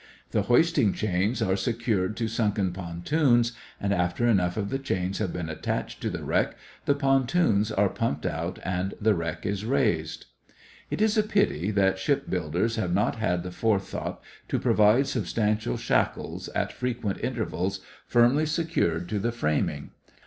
The hoisting chains are secured to sunken pontoons and after enough of the chains have been attached to the wreck the pontoons are pumped out and the wreck is raised. It is a pity that ship builders have not had the forethought to provide substantial shackles at frequent intervals firmly secured to the framing.